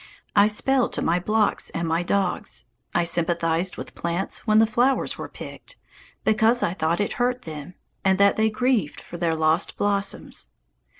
I spelled to my blocks and my dogs. I sympathized with plants when the flowers were picked, because I thought it hurt them, and that they grieved for their lost blossoms.